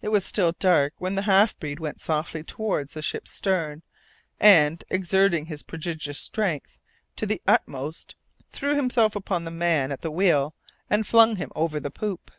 It was still dark when the half breed went softly towards the ship's stern, and, exerting his prodigious strength to the utmost, threw himself upon the man at the wheel and flung him over the poop.